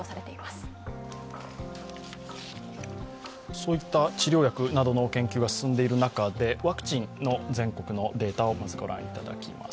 そういった治療薬などの研究が進んでいる中で、ワクチンの全国のデータをまず御覧いただきます。